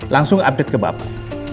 langsung update ke bapak